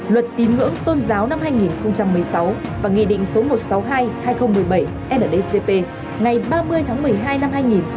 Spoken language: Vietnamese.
luật tín ngưỡng tôn giáo năm hai nghìn một mươi sáu và nghị định số một trăm sáu mươi hai hai nghìn một mươi bảy ndcp ngày ba mươi tháng một mươi hai năm hai nghìn một mươi bảy